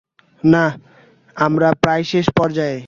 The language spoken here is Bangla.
না, আমরা প্রায় শেষ পর্যায়ে!